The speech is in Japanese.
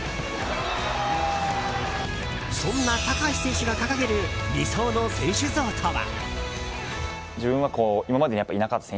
そんな高橋選手が掲げる理想の選手像とは。